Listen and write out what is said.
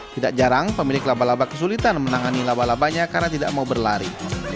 tidak jarang pemilik laba laba kesulitan menangani laba labanya karena tidak mau berlari